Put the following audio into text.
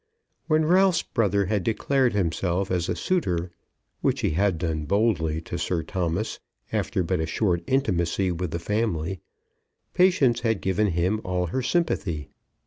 When Ralph's brother had declared himself as a suitor, which he had done boldly to Sir Thomas, after but a short intimacy with the family, Patience had given him all her sympathy.